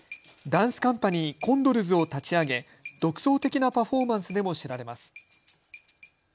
ダンスカンパニー、コンドルズを立ち上げ独創的なパフォーマンスでも知られます。